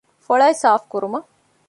ފޮޅައި ސާފުކުރުމަށް